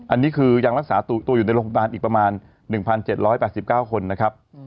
อันนี้คือยังรักษาตัวอยู่ในโรงพยาบาลอีกประมาณ๑๗๘๙คนนะครับ